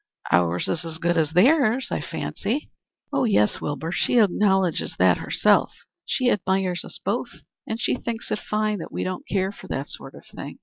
Ours is as good as theirs, I fancy." "Oh yes, Wilbur. She acknowledges that herself. She admires us both and she thinks it fine that we don't care for that sort of thing.